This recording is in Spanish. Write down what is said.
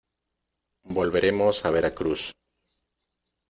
volveremos a Veracruz.